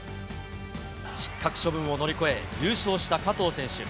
失格処分を乗り越え、優勝した加藤選手。